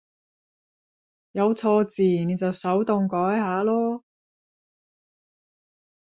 有錯字你就手動改下囉